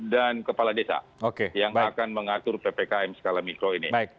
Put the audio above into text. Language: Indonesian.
dan kepala desa yang akan mengatur ppkm skala mikro ini